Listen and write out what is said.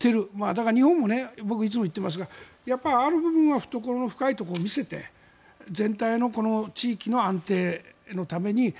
だから日本も僕はいつも言っていますがある部分には懐の深いところを見せて全体の地域の安定のために。